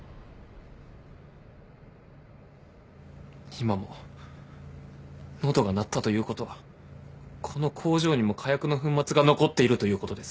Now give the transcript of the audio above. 今も喉が鳴ったということはこの工場にも火薬の粉末が残っているということです。